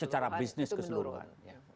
secara bisnis keseluruhan